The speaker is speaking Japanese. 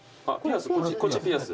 こっちピアス。